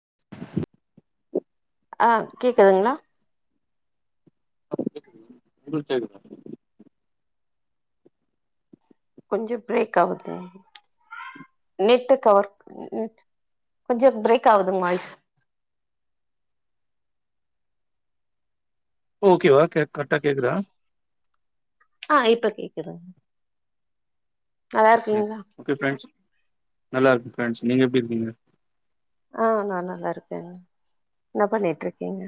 [inaudible] அ கேக்குதுங்ளா ஆ கேக்குது உங்களுக்கு கேக்குதா கொஞ்சம் பிரேக் ஆவுது நெட்டு கவர் கொஞ்சம் பிரேக் ஆவுது வாய்ஸ் இப்ப ஓகே வா கே கரெக்டா கேக்குதா ஆ இப்ப கேக்குதுங் நல்லா இருக்கீங்ளா நல்லாருக்கு ஃப்ரெண்ட்ஸ் நீங்க எப்டி இருக்கீங்க ஆ நா நல்லாருக்கேங்க என்ன பண்ணிட்ருக்கீங்க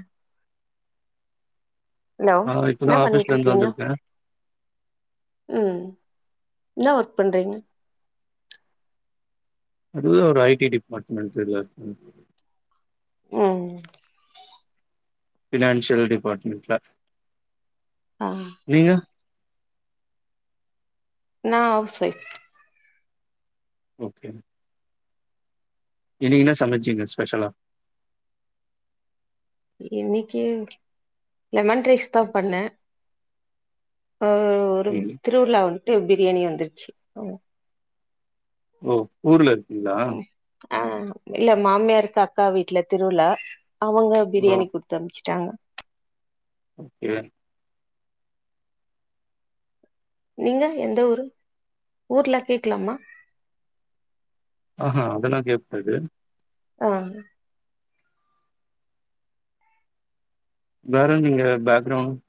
ஹலோ ஆ இப்பதா என்ன ஆபீஸ்ல இருந்து பண்ணிட்ருக்கீங்க வந்திருக்கே உம் என்ன ஒர்க் பண்றீங்க அது ஒரு ஐ டி டிபார்ட்மெண்ட்டுல உம் ஃபினான்ஷியல் டிபார்ட்மெண்ட்ல ஆ நீங்க நா ஹவுஸ்வைஃப் ஓகே இன்னைக்கு என்ன சமைச்சீங்க ஸ்பெஷலா இன்னைக்கி லெமன் ரைஸ் தா பண்ணே அ ஒரு ம். திருவிழான் ட்டு பிரியாணி வந்துருச்சு ஓ ஊர்ல இல்லா ஆ இல்ல மாமியார்கு அக்கா வீட்ல திருவிழா அவுங்க பிரியாணி குடுத்து அனுப்ச்சுட்டாங்க இல்ல நீங்க எந்த ஊரு ஊர்ல கேக்லாமா ஆஹா அதெல்லா கேப்பது ஆ வேற நீங்க பேக்ரவுண்ட்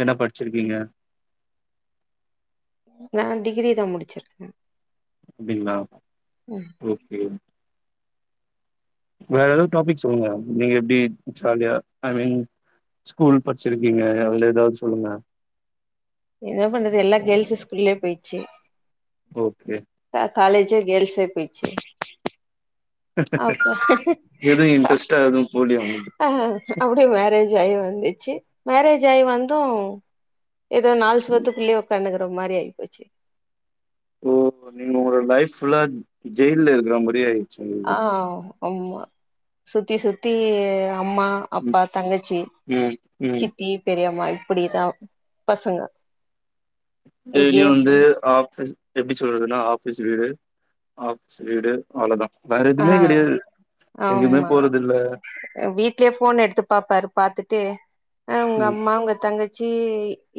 என்ன படிச்சிருக்கீங்க நான் டிகிரி தான் முடிச்சிருக்கேன் அப்டிங்களா ஓக்கே வேற ஏதாவது டாபிக் சொல்லுங்க நீங்க எப்படி ஜாலியா ஐ மீன் ஸ்கூல் படிச்சிருக்கீங்க அதுல ஏதாவது சொல்லுங்க என்ன பண்றது எல்லா கேர்ள்ஸ் ஸ்கூல்லயே போயிடுச்சு ஓக்கே காலேஜ் கேர்ள்ஸ் போயிச்சு அப்ப எதுவும் இன்ட்ரெஸ்டா எதுவும் போலயா உங்களுக்கு ஆ அப்டியே மேரேஜ் ஆயி வந்துச்சு மேரேஜ் ஆகி வந்தும் ஏதோ நாள் சுவத்துக்குள்ளே உக்காணுகற மாரி ஆய்ப்போச்சு ஓ நீங்க ஒரு லைஃப் ஃபுல்லா ஜேல்ல இருக்குற மாரி ஆய் ஆஹ் ஆமா சுத்தி சுத்தி நா அம்மா ம், அப்பா தங்கச்சி ம், ம். சித்தி பெரியம்மா அப்படிதான் பசங்க டெய்லி இப்டியே வந்து ஆப்ஸ் எப்படி சொல்றதுன்னா ஆஃபீஸ் வீடு ஆஃபீஸ் வீடு அவ்ளோதான் ஆஹ் ஆமா போறது இல்ல வீட்லயே ஃபோன் எடுத்து பாப்பாரு பாத்துட்டு உங்க ம், அம்மா உங்க தங்கச் சி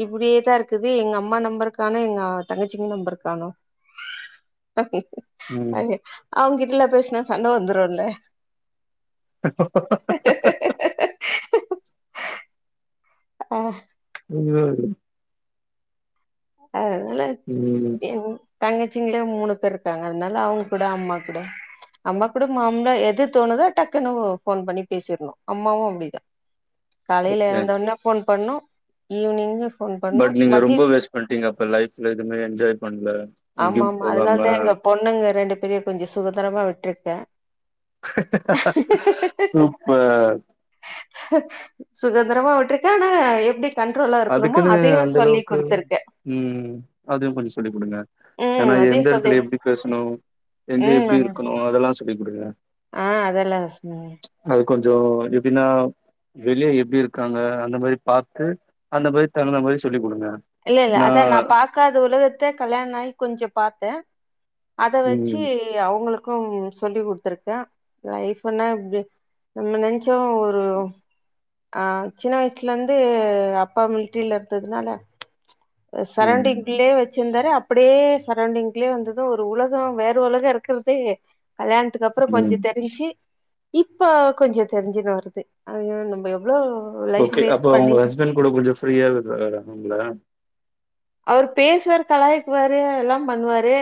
இப்படியேதான் இருக்குது எங்க அம்மா நம்பருக்கானோ எங்க தங்கச்சிங்க நம்பருக்கானோ அ ம். அவங்கிட்டல பேச சண்ட வந்துரும்ல ஹாஹாஹா ஆஹ் உம் உ அதனால ம், எது தங்கச்சிங்கலயே மூணு பேர் இருக்காங்க அதனால அவங்க கூட அம்மா கூட அம்மா கூட மாம்ளா எது தோணுதோ டக்குனு ஃபோன் பண்ணி பேசிடணும் அம்மாவும் அப்படிதான் காலையில ஓகே எழுந்தோடனே பு பண்ணோம் ஈவினிங்கு ஃபோன் பண்ணு பட் நீங்க ரொம்ப மதியத் வேஸ் பண் ட்டீங்க அப்ப லைஃப்ல எதுவுமே என்ஜாய் பண்ணல ஆமா எங்கயும் ஆமா போகாம சுதந்தரமா விட்டுட்டன் சூப்பர் சுதந்திரமா விட்டிருக்கேன் ஆனா எப்படி அதுக்குன்னு அந்த அளவுக்கு உம் அதுவும் கொஞ்சம் சொல்லி கொடுங்க ஏன்னா ம் அதையு எந்த சொல்லி எடத்துல எப்டி பேசணும் எங்க எப்டி இருக்கணும் அதெல்லாம் சொல்லிகொடுங்க ஆஹ் அதெல்லாம் ஸ்மி கொஞ்சம் எப்படின்னா வெளியே எப்டி இருக்காங்க அந்த மாரி பாத்து அந்த மாரி தகுந்த மாரி சொல்லி குடுங்க இல்ல இல்ல ஏன்னா அதான் நான் பாக்காத உலகத்த கல்யாணம் ஆகி கொஞ்சம் பார்த்தேன் அத வச்சு ம் அவங்களுக்கு சொல்லி் கொடுத்துருக்கேன் லைப்னா எப்டி நம்ம நினச்சம் ஒரு ஆஹ் சின்ன வயசுல இருந்து அப்பா மிலிட்ரில இருந்ததுனால ம் சரௌண்டிங்லே வச் ச்சந்தாரு அப்படியே சரௌண்டிங்லேயே வந்ததும் ஒரு உலகம் வேற உலகம் இருக்கறதே கல்யாணத்துக்கு அப்புறம் ம் கொஞ்சம் தெரிஞ்சு இப்ப கொஞ்சம் தெரிஞ்சுட்டு வருது அதது நம்ம எவ்ளோ லைஃப் ஓகே வேஸ்ட் அப்போ உங்க பண்ணிட்டோ ஹஸ்பண்ட் கூட கொஞ்சம் ஃப்ரீயா விடுவாரா உங்கள அவர் பேசுவாரு கலாயக்குவாரு எல்லாம் பண்ணுவாரு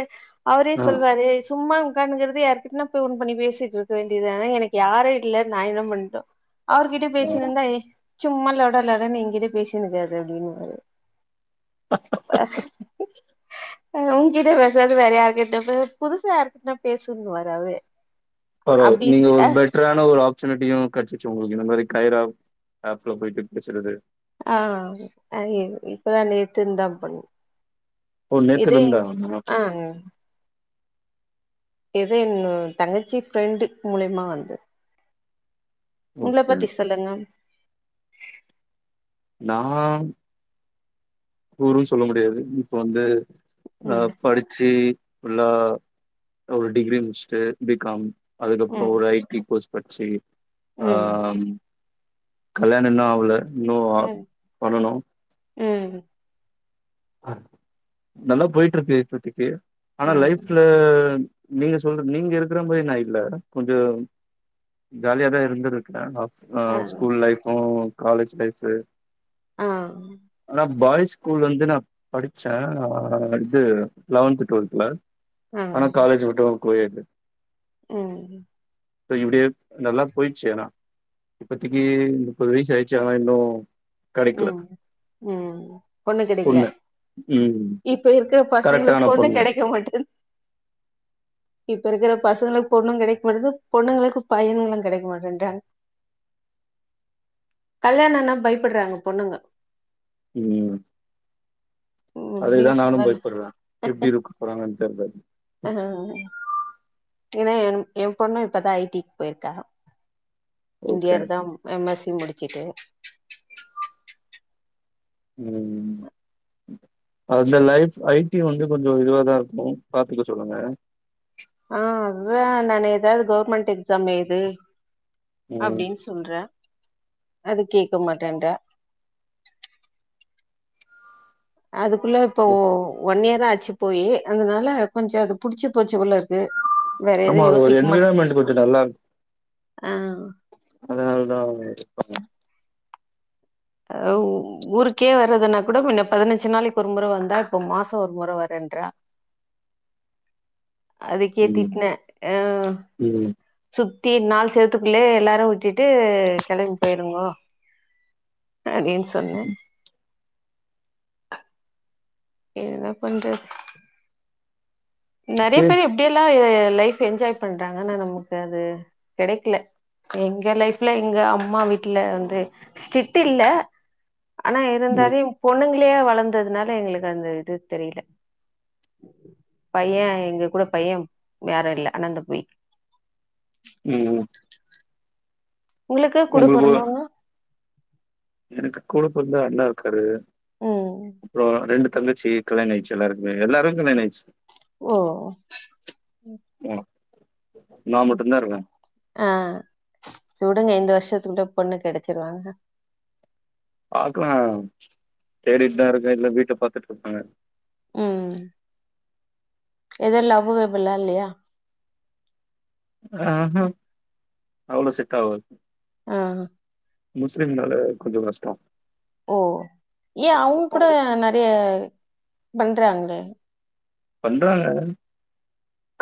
அவரே ஆ சொல்வாரு சும்மா உட்கான்னிங்குறது யாருகிட்டன போய் போன் பண்ணி பேசிட்டு இருக்க வேண்டியதுதனா எனக்கு யாரே இல்ல நான் என்ன பண்ணிட்டோம் அவர்கிட்ட பேசினுந்தா ஏ சும்மா லொட லொடன்னு எங்கிட்ட பேசினு இருக்காது அப்படின்னுவாரு ஆஹ் ஹாஹா உன்கிட்ட பேசாது வேற யாருக்கிட்ட புதுசா யாருக்கிட்டனா பேசுன்னு வாரே அவரே பரவா நீங்க ஒரு பெட்டரான ஒரு ஆபர்ச்சுனிட்டியும் கெச்சிச்சு உங்களுக்கு இந்த மாரி கைரா ஆப்ல போயிட்டு பேசுறது ஆஹ் இப்பதான் நேட்டு இருந்தான் பண்ணு ஓ நேத்துலந்தா ஆமா ஏதோ என் தங்கச்சி பிரெண்டு் மூலயமா வந்தது உங்கள ஓகே பத்தி சொல்லுங்க நான் ஊரும்ன்னு சொல்ல முடியாது இப்ப வந்து ம் அஹ் படிச்சி நல்ல ஒரு டிகிரி முடிச்சுட்டு பிகாம் ம் அதுக்கப்புறம் ஒரு ஐடி கோஸ்ட் பட்சி ம் ஆஹ் கல்யாணம் இன்னும் ஆவுல இனோ ம் பண்ணனும் ம் நல்லா போயிட்டு இருக்கு இப்பத்திக்கு ஆனா ஆ லைஃப்ல நீங்க சொல்ற நீங்க இருக்கிற மாரி நான் இல்ல கொஞ்சம் ஜாலியாதான் இருந்து இருக்கேன் ஆ ஆஹ் ஸ்கூல் லைஃப்பும் காலேஜ் லைஃப்பு ஆ ஆனா பாய்ஸ் ஸ்கூல் வந்து நான் படிச்சேன் ஆஹ் இது லெவன்த் டுவெல்த்ல ஆனா காலேஜ் மட்டும் கோயடு உம் இ இப்படியே நல்லா போயிச்சு ஆனா இப்பத்தைக்கு முப்பது வயசு ஆயிடுச்சு ஆனா இன்னும் கெடைக்கல உம் உம் பொண்ணு கெடைக்கல ம் இப்ப இருக்குற பசங்களுக்கு பொண்ணு கிடைக்க மாட்டது [inaudible] இப்ப இருக்குற பசங்களுக்கு பொண்ணு கிடைக்க மாட்டது பொண்ணுங்களுக்கு பையன்களும் கிடைக்க மாட்டேன்றாங்க கல்யாணம்னா பயப்புடுறாங்க பொண்ணுங்க உம் அதே இப்டியே தான் நானும் சொல்லல பயப்படுறேன் எப்டி இருக்க போறாங்கன்னு தெரிலனு ஆ ஏன்னா என் என் பொண்ணும் இப்ப தான் ஐடிக்கு போயிருக்கா ஓகே. இந்தியரு தான் எம் எஸ் முடிச்சுட்டு உம் அந்த லைஃப் ஐடி வந்து கொஞ்சம் இதுவாதான் இருக்கும் பாத்துக்க சொல்லுங்க ஆஹ் அதான் நான் ஏதாவது கவர்மெண்ட் எக்ஸாம் எழுது ம். அப்படின்னு சொல்றேன் அது கேட்க மாட்டேன்ரா அதுக்குள்ள இப்போ ஒன் இயர் ஆச்சு போய் அதனால கொஞ்சம் அது புடிச்சு போச்சு போல இருக்கு வேற எது ஆமா அது ஒரு யோசிக்க மாட்டே என்விரான்மெண்ட் கொஞ்சம் நல்லா இருக்கும் ஆ அதனால தான் ஆஹ் ஊருக்கே வர்றதுன்னா கூட முன்ன பதினஞ்சு நாளைக்கு ஒரு முறை வந்தா இப்போ மாசம் ஒரு முறை வரேன்றா அதுக்கே ம். திட்டினே ஆஹ் ம். சுத்தி நாலு சேவுத்துக்குள்ளே எல்லாரும் விட்டுட்டு கிளம்பி போயிருங்கோ அப்டின்னு சொன்னேன் என் பண்ற நறைய ஓகே. பேரு எப்படியெல்லாம் லைஃப் என்ஜாய் பண்றாங்க ஆனா நமக்கு அது கெடைக்கல எங்க லைஃப்ல எங்க அம்மா வீட்டுல வந்து சிட் இல்ல ஆனா ம். இருந்ததையும் பொண்ணுங்க அங்கேயே வளந்ததுனால எங்களுக்கு அந்த இது தெரியில பைய எங்க கூட பையன் வேற இல்ல அனந்த குயின் ம். உங்குளுக்கு கூட உங்களுக்கு போறந்தவங்க எனக்கு கூட பொறந்த அண்ணா இருக்காரு ம் இப்போ ரெண்டு தங்கச்சி கல்யாண ஆயிருச்சி எல்லாருக்குமே எல்லாருக்கு கல்யாண ஆயிருச்சு ஓ நா மட்டும்தா இருகே ஆ சுடுங்க இந்த வருஷத்துக்குள்ள பொண்ணு கெடச்சுரு பாக்கலாம் தேடிட்டுதா இருக்கே இதுல்ல வீட்ட பாத்துட்டு இருக்காங்க உம் எது லவ்வுகிவ்வுலா இல்லையா ஆஹ ஹா அவ்ளோ செட்டாவாது ஆஹ் ஹ முஸ்லிம் மேளே கொஞ்ச கஷ்டோ ஓ பண்றாங்குளே பண்றாங்க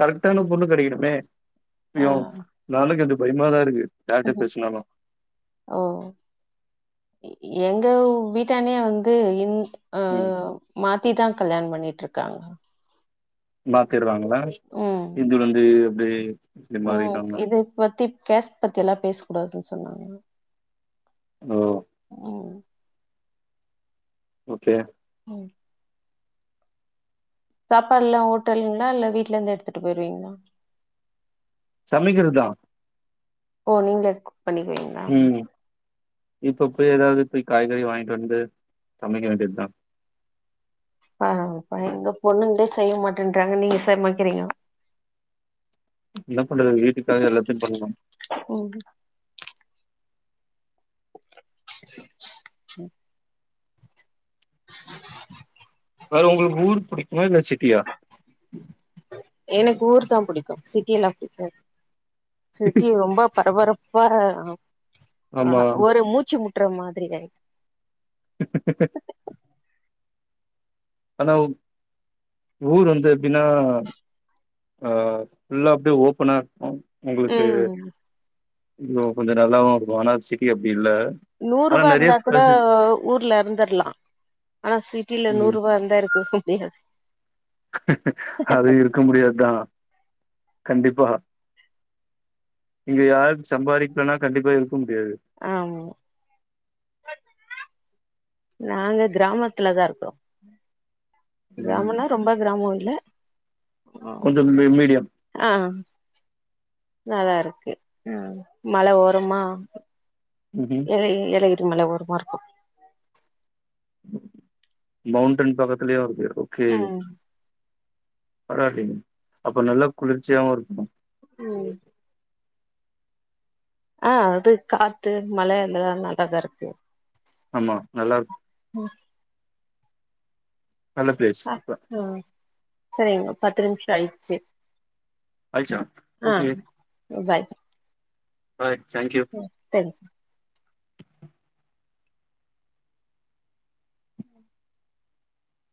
கரெக்டான பொண்ணு கிடைக்கணுமே ஆ யோ [unintelligible] பயிமாதா இருக்கு யார்ட்ட பேசுனாலு ஓ எங்க வீட்டானே வந்து இந் அஹ் ம் ஹா மாத்திடாங் கல்யாணம் பண்ணிற்றுருக்காங்க மாத்திருவாங்க நான் இது வந்து தே உம் இது பத்தி பேஸ் பத்தில்லா பேசு கூடாது சொன்னாங்க ஓ உம் ஓகே உம் சாப்பாடு எல்லா ஹோட்டலுங்குளா இல்ல வீட்ல இருந்து எடுத்துட்டு போய்டுவீங்களா சமைக்கிருதா ஓ நீங்குலே குக் பண்ணிக்கிவிங்களா இப்ப போய் ஏதாவுது போய் காய்கறி வாங்கிட்டு வந்து சமைக்க வேண்டிந்தா ஆமாங்க எங்க பொண்ணுங்கலா செய்ய மாட்டேன்றாங்க நீங்க சமாக்கிறீங்க என்ன பண்றது வீட்டுக்காக எல்லாத்தையும் பண்ணனும் ம். உம் [inaudible] வேற உங்களுக்கு ஊரு புடிக்கும இல்ல சிட்டியா எனக்கு ஊர் தான் புடிக்கும் சிட்டியிலாம் புடிக்கும் சிட்டி ரொம்ப பரபரப் பரஹ ஆம் ஆமா ஆஹ் ஒரு மூச்சு மு டுற மாதிரி ஆ [inaudible] ஆனா ஊர் வந்து எப்படின்னா அஹ் ஃபுல்லா அப்படியே ஓபனா இருக்கும் உங்களுக்கு ம். இதுவு கொஞ்சம் நல்லாவும் இருக்கும் அனா சிட்டி அப்படி இல்ல ஆனா நூருபா நெறைய இருந்தா கூட ஃபெசி ஊர்ல இருந்துரலாம் ஆனா சிட் டில ம் நூறுபா இருந்தா இர் தூக்கம் முடியாது அது இருக்க முடியாதுதான் கண்டிப்பா இங்க யாரும் சம்பாதிக்கலனா கண்டிப்பா இருக ஆமா நாங்க கிராமத்துலதான் இருக்குறோம் ம் கிராமம்ன்னா ரொம்ப கிராமம் இல்ல கொஞ்சம் மீ மீடியம் ஆ நல்லா இருக்கு உம் மல ஓரமா ம்ஹும் எழ எழயு ஒரு மல ஓரமா இருக்கும் மௌண்டைன் பக்கத்துலயே வருது ஓகே ம் பராவாலீங்க அப்ப நல்லா குளிர்ச்சியாவும் இருக்குணும் உம் ஆஹ் அது காத்து மல எல்லா நல்லாதா இருக்கு ஆமா நல்லா இருக்கு ஹம் நல்ல பிளேஸ் ஆ அப்ப ம் சரிங்க பத்து நிமிஷம் ஆயிடுச்சு ஆயிச்சா ஆஹ் பாய் ரைட் ம் தேங்க் யூ